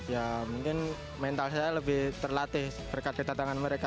ya mungkin mental saya lebih terlatih berkat kedatangan mereka